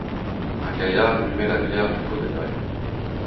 Un gaillard humait la bière du pot de grès.